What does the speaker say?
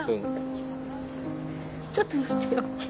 ちょっと待ってよ。